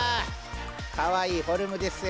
かわいいフォルムですよ。